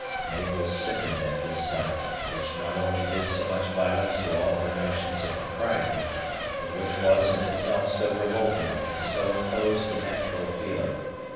Mabel sickened at this sight, which not only did so much violence to all her notions of propriety, but which was in itself so revolting and so opposed to natural feeling.